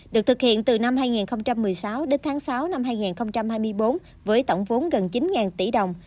được thực hiện từ năm hai nghìn một mươi sáu đến tháng sáu năm hai nghìn hai mươi bốn với tổng vốn gần chín tỷ đồng